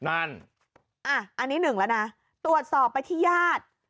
อันนี้หนึ่งแล้วนะตรวจสอบไปที่ญาติ